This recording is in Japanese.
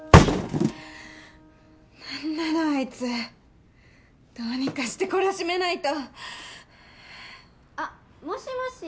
なんなのあいつどうにかして懲らしめないとあっもしもし？